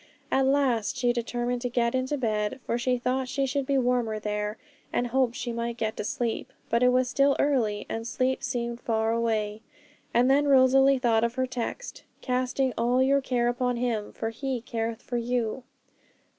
At last she determined to get into bed, for she thought she should be warmer there, and hoped she might get to sleep; but it was still early, and sleep seemed far away. And then Rosalie thought of her text, 'Casting all your care upon Him, for He careth for you.'